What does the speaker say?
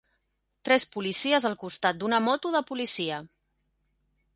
Tres policies al costat d'una moto de policia